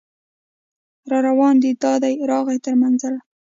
راروان دی دا دی راغی تر منزله